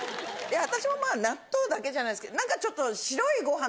私も納豆だけじゃないですけど何かちょっと。